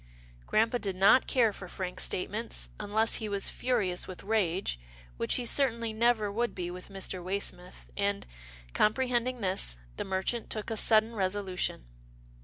Grampa did not care for frank statements, unless he was furious with rage, which he certainly never would be with Mr. Waysmith, and, comprehending this, the merchant took a sudden resolution.